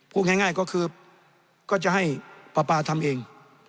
พูดง่ายก็คือก็จะให้ปลาปลาทำเอง